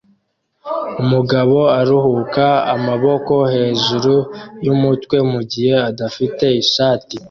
Umugabo aruhuka amaboko hejuru yumutwe mugihe adafite ishati